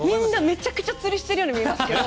めちゃくちゃ釣りしてるように見えますね。